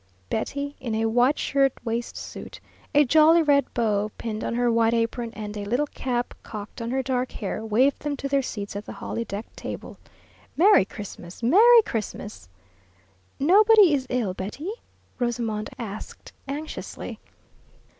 Betty, in a white shirt waist suit, a jolly red bow pinned on her white apron, and a little cap cocked on her dark hair, waved them to their seats at the holly decked table. "Merry Christmas! Merry Christmas!" "Nobody is ill, Betty?" Rosamond asked, anxiously.